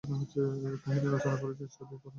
কাহিনী রচনা করেছেন সাজিদ-ফরহাদ এবং ইউনুস সাজোয়াল।